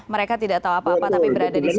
mereka tidak tahu apa apa tapi berada di sini